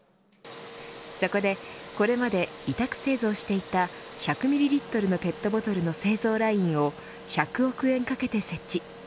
そこでこれまで委託製造していた１００ミリリットルのペットボトルの製造ラインを１００億円かけて設置。